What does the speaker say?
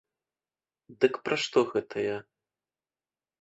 Дык пра што гэта я?